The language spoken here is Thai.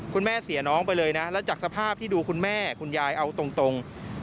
แม่เสียน้องไปเลยนะแล้วจากสภาพที่ดูคุณแม่คุณยายเอาตรง